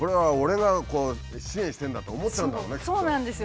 そうなんですよ。